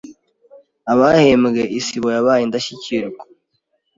ahahembwe Isibo yabaye Indashyikirw